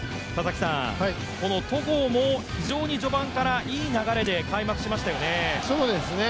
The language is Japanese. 戸郷も非常に序盤からいい流れで開幕しましたよね。